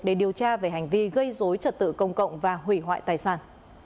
để điều tra về hành vi gây dối trật tự công cộng và hủy hoại tài sản